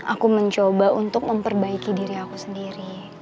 aku mencoba untuk memperbaiki diri aku sendiri